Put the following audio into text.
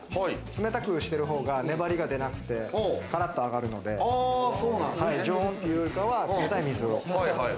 冷たくしてるほうが粘りが出なくてカラッと揚がるので、常温よりかは冷たい水を。